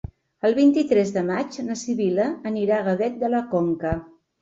El vint-i-tres de maig na Sibil·la anirà a Gavet de la Conca.